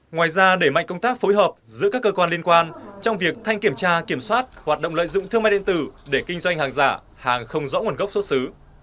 ngoài ra để mạnh công tác phối hợp giữa các cơ quan liên quan trong việc thanh kiểm tra kiểm soát hoạt động lợi dụng thương mại điện tử để kinh doanh hàng giả hàng không rõ nguồn gốc xuất xứ